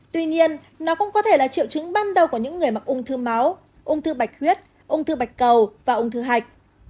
tuy nhiên nó cũng có thể là triệu chứng ban đầu của những người mắc ung thư máu ung thư bạch huyết ung thư bạch cầu và ung thư hạch